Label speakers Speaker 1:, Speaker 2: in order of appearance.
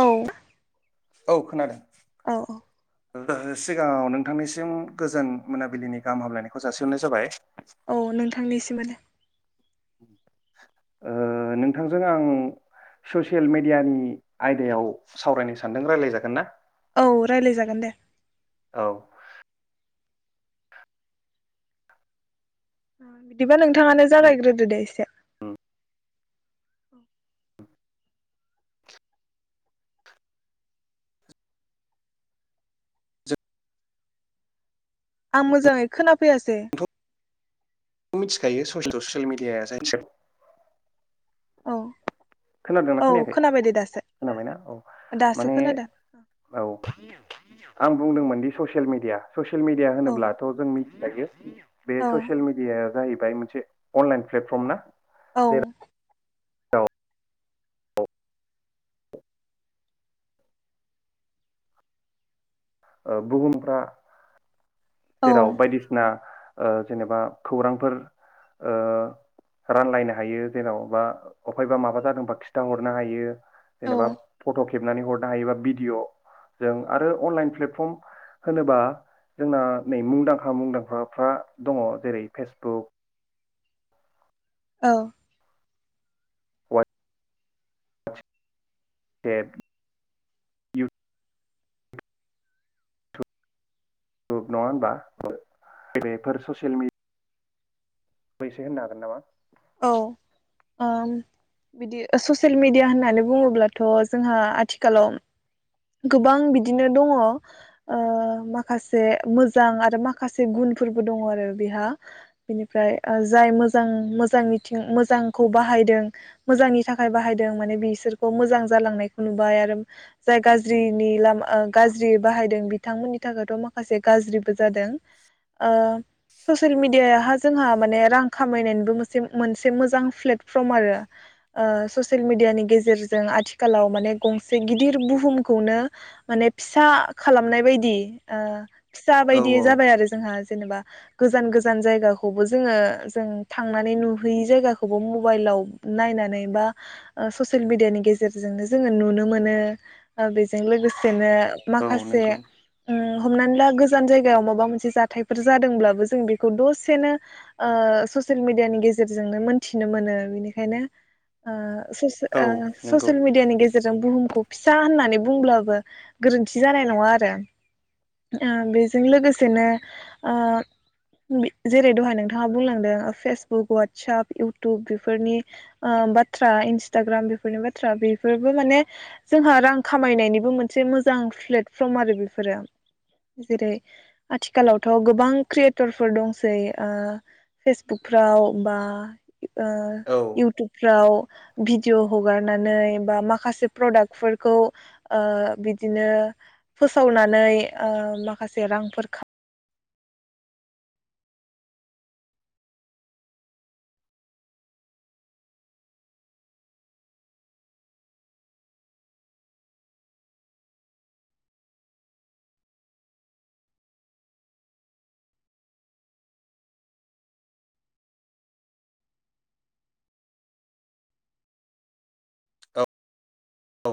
Speaker 1: औ।
Speaker 2: औ खोनादों।
Speaker 1: औ औ।
Speaker 2: सिगाङाव नोंथांनिसिम गोजोन मोनाबिलिनि गाहाम हामलायनायखौ जासिहरनाय जाबाय।
Speaker 1: औ नोंथांनिसिमबो।
Speaker 2: ओ नोंथांजों आं ससियेल मेडियानि आयदायाव सावरायनो सानदों रायलायजागोन ना।
Speaker 1: औ रायलाय जागोन दे।
Speaker 2: औ।
Speaker 1: बिदि बा नोंथाङानो
Speaker 2: उम
Speaker 1: जागायग्रोदो दे एसे आं मोजाङै खोनाफैयासै।
Speaker 2: जोंथ' [unintelligible]
Speaker 1: औ
Speaker 2: खोनादोंना
Speaker 1: औ
Speaker 2: खोनायाखै
Speaker 1: खोनाबाय दे दासो
Speaker 2: खोनाबायना औ
Speaker 1: दासो
Speaker 2: माने
Speaker 1: खोनादों
Speaker 2: औ आं बुंदोंमोन दि ससियेल मिडिया। ससियेल मिडिया
Speaker 1: औ
Speaker 2: होनोब्लाथ' जों मिथिखायो। [inaudible] बे
Speaker 1: औ
Speaker 2: ससियेल मिडियाया जाहैबाय मोनसे अनलाइन प्लेटफर्म ना
Speaker 1: औ
Speaker 2: जेराव ओ बुहुमफ्रा जेराव
Speaker 1: औ
Speaker 2: बायदिसिना ओ जेनेबा खौरांफोर ओ रानलायनो हायो जेन'बा अफायबा माबा जादोंबा खिथाहरनो हायो। जेनेबा फट' खेबनानै हर नो हायो बा भिडिअ जों आरो अनलाइन प्ले टफर्म होनोबा जोंना नै मुंदांखा मुंदांखाफ्रा दङ जेरै फेसबुक
Speaker 1: औ
Speaker 2: [inaudible] औ नङा होमबा बेफोर ससियेल मिड। फैसे होननो हागोन नामा।
Speaker 1: औ ओम बिदि ओ ससेल मिेडिया होननानै बुङोब्लाथ जोंहा आथिखालाव। गोबां बिदिनो दङ ओ माखासे मोजां आरो माखासे गुनफोरबो दङ आरो बेहा बिनिफ्राय जाय मोजां मोजां मिथिं मोजांखौ बाहायदों मोजांनि थाखाय बाहायदों माने बिसोरखौ मोजां जालांनायखौ नुबाय आरो जाय गाज्रि। जौ नि लामा गाज्रि बाहायदों बिथांमोननि थाखायथ माखासे गाज्रिबो जादों ओ ससियेल मिडियाह जोंहा माने रां खामायनायनिबो मोनसे मोनसे मोजां प्लेटफर्म आरो ससिेल मिडियानि गेजेरजों आथिखालाव माने गंसे गिदिर बुहुम। खौनो माने फिसा खालामनाय बायदि ओ। फिसा
Speaker 2: औ
Speaker 1: बायदियै
Speaker 2: औ
Speaker 1: जाबाय आरो जोंहा। जेनेबा गोजान गोजान जायगाखौबो जोङो जों थांनानै नुहैयि जायगाखौबो जोङो मबाइलाव नायनानै बा ससियेल मिेडियानि गेजेरजोंनो जोङो नुनो मोनो। ओ बेजों लोगोसेनो।
Speaker 2: औ
Speaker 1: माखासे
Speaker 2: नंगौ
Speaker 1: ओम हमनानै ला गोस। गोजान जायगायाव माबा मोनसे जाथायफोर जादोंब्लाबो जों बेखौ दसेनो ओ ससेल मिेडियानि गेजेरजोंनो मोनथिनो मोनो बेनिखायनो ओ। ससे
Speaker 2: औ
Speaker 1: ओ
Speaker 2: नंगौ
Speaker 1: ससियेल मिडियानि गेजेरजों बुहुमखौ। फिसा होननानै। बे बुंब्लाबो गोरोनथि जानाय नङा आरो ओ बेजों लोगोसेनो ओ जै दहाय नोंथाङा बुंलांदों फेसबुक वावटसाप इउटुब बेफोरनि ओम बाथ्रा इन्सटाग्राम बेफोरनि बाथ्रा बेफोरबो माने जोंहा रां। खामायनायनिबो मोनसे मोजां प्लेटफर्म आरो बेफोरो जेरै आथिखालावथ' गोबां क्रियेटरफोर दंसै फेसबुकफ्राव बा ओ
Speaker 2: औ
Speaker 1: इउटुबफ्राव। भिडिअ हगारनानै बा माखासे प्रडाक फोरखौ। ओ बिदिनो फोसावनानै ओ माखासे रांफोर खा।
Speaker 2: औ औ।